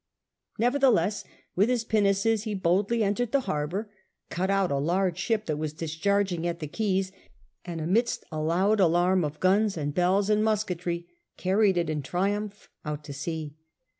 Nevertheless, with his pinnaces he boldly entered the harbour, cut out a large ship that was discharging at the quays, and amidst a loud alarm of guns and bells and musketry carried it in triumph out to sea.